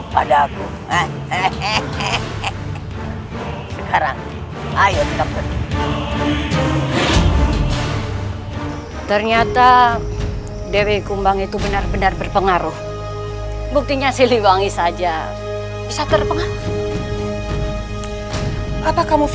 kau yang ngesenang dulu